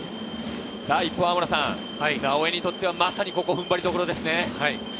一方、直江にとっては踏ん張りどころですね。